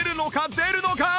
出るのか？